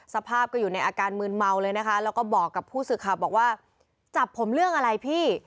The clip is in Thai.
สภาพก็อยู่ในอาการมืนเมาเลยนะคะแล้วก็บอกกับผู้สื่อข่าวบอกว่าจับผมเรื่องอะไรพี่